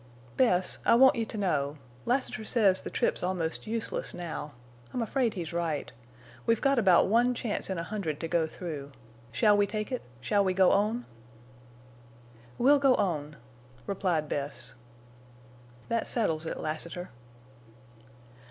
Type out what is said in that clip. "Bess, I want you to know. Lassiter says the trip's almost useless now. I'm afraid he's right. We've got about one chance in a hundred to go through. Shall we take it? Shall we go on?" "We'll go on," replied Bess. "That settles it, Lassiter."